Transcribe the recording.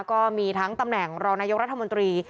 ก็มีทั้งตำแหน่งรองนายกรัฐมนตรี